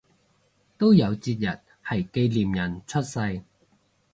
都有節日係紀念人出世